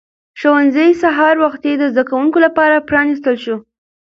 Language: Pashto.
ښوونځی سهار وختي د زده کوونکو لپاره پرانیستل شو